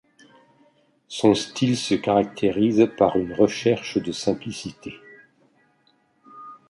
Son style se caractérise par une recherche de simplicité.